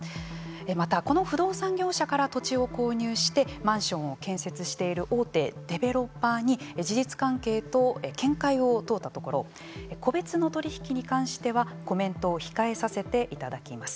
また、この不動産業者から土地を購入してマンションを建設している大手デベロッパーに事実関係と見解を問うたところ個別の取引に関してはコメントを控えさせていただきます。